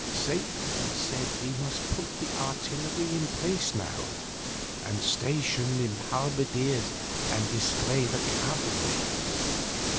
Satan said we must put the artillery in place now, and station the halberdiers and display the cavalry.